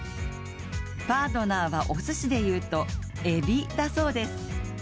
パートナーはおすしでいうとえびだそうです。